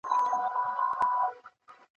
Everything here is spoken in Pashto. نه به سر ته وي امان د غریبانو